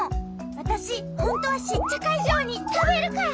わたしほんとはシッチャカいじょうにたべるから！